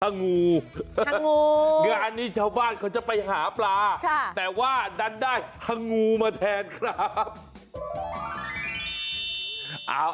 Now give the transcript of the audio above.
งูอันนี้ชาวบ้านเขาจะไปหาปลาแต่ว่าดันได้งูมาแทนครับ